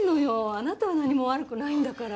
あなたは何も悪くないんだから。